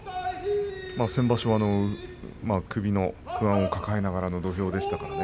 先場所首の不安を抱えながらの土俵でした。